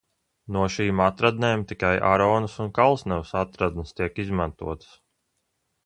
No šīm atradnēm tikai Aronas un Kalsnavas atradnes tiek izmantotas.